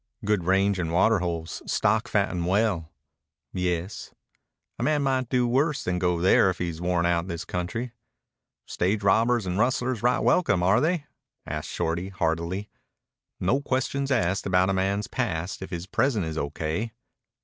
"Good range and water holes. Stock fatten well." "Yes." "A man might do worse than go there if he's worn out this country." "Stage robbers and rustlers right welcome, are they?" asked Shorty hardily. "No questions asked about a man's past if his present is O.K."